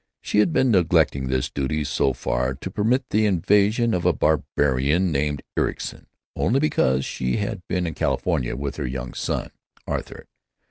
She had been neglecting this duty so far as to permit the invasion of a barbarian named Ericson only because she had been in California with her young son, Arthur.